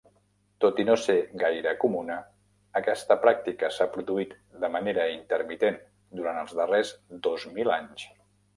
Tot i no ser gaire comuna, aquesta pràctica s'ha produït de manera intermitent durant els darrers dos mil anys.